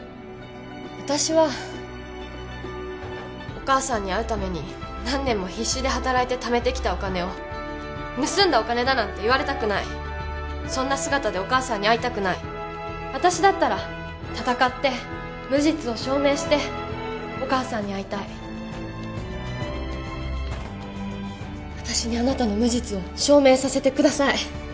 私はお母さんに会うために何年も必死で働いてためてきたお金を盗んだお金だなんて言われたくないそんな姿でお母さんに会いたくない私だったら戦って無実を証明してお母さんに会いたい私にあなたの無実を証明させてください